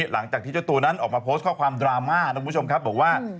หลังจากที่เจ้าตัวนั้นออกมาโพสต์ข้อความดราม่านะคุณผู้ชมครับบอกว่า